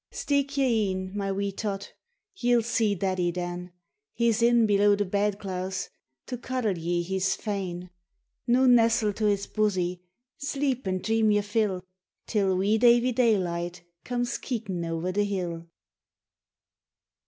Steek yer een, my wee tot, ye'll see Daddy then; He's in below the bed claes, to cuddle ye he's fain; Noo nestle to his bosie, sleep and dream yer fill, Till Wee Davie Daylight comes keekin' owre the hill.